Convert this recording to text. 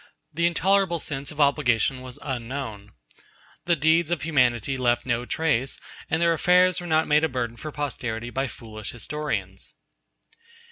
The intolerable sense of obligation was unknown. The deeds of humanity left no trace, and their affairs were not made a burden for posterity by foolish historians.